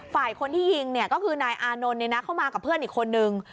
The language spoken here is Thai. ฝ่ายคนที่ยิงก็คือนายอานนท์เข้ามากับเพื่อนอีกคนนึง